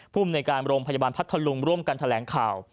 ผู้ในการรมพยาบาลพัทธรรมร่วมกันแถลงข่าว